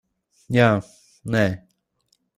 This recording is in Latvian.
Jā. Nē.